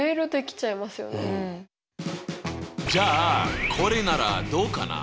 じゃあこれならどうかな？